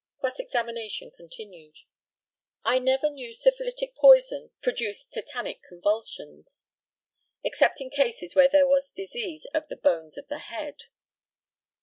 Cross examination continued: I never knew syphilitic poison produce tetanic convulsions, except in cases where there was disease of the bones of the head.